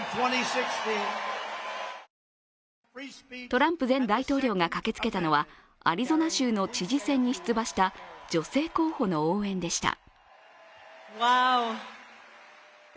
トランプ前大統領が駆けつけたのは、アリゾナ州の知事選に出馬した女性候補の応援でした。